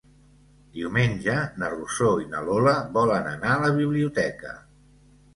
Diumenge na Rosó i na Lola volen anar a la biblioteca.